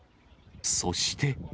そして。